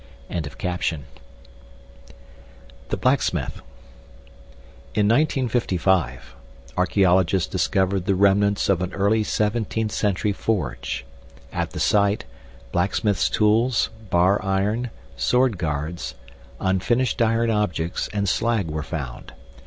] THE BLACKSMITH In 1955, archeologists discovered the remnants of an early 17th century forge. At the site, blacksmith's tools, bar iron, sword guards, unfinished iron objects, and slag were found.